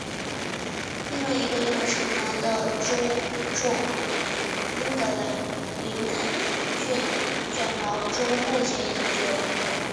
另外一个拥有长毛的猪种英格兰林肯郡卷毛猪目前已经灭绝。